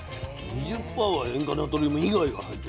２０％は塩化ナトリウム以外が入ってるわけね。